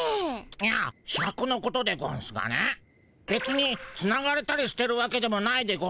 いやシャクのことでゴンスがねべつにつながれたりしてるわけでもないでゴンスし